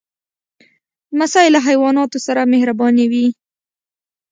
لمسی له حیواناتو سره مهربانه وي.